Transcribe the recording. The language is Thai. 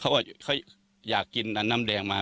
เขาเขาต้องการอะไรกันเขาว่าเขาอยากกินน้ำแดงมา